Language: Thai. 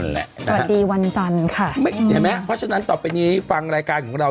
สวัสดีวันจันทร์ค่ะเห็นไหมเพราะฉะนั้นต่อไปนี้ฟังรายการของเรา